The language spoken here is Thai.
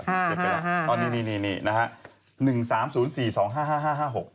๕๕๕เออนี่นะฮะ